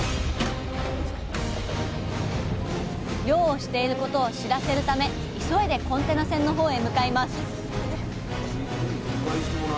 漁をしていることを知らせるため急いでコンテナ船の方へ向かいます